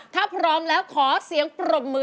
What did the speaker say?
ถ้าพร้อมแล้วขอเสียงปรบมือ